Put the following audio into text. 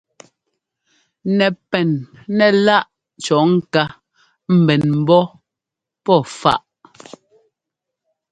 Nɛpɛn nɛ láꞌ cɔ̌ ŋká pɛn ḿbɔ́ pɔ́ faꞌ.